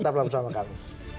tetaplah bersama kami